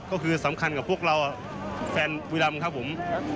ก็คือสำคัญกับพวกเราแฟนวิลัมครับผม